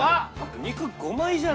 肉５枚じゃない。